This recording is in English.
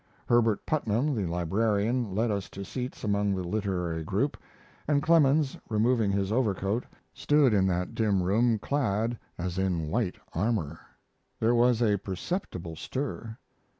Herbert Putnam, the librarian, led us to seats among the literary group, and Clemens, removing his overcoat, stood in that dim room clad as in white armor. There was a perceptible stir.